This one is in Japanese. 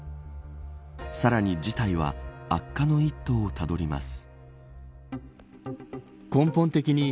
さらに事態は悪化の一途をたどります。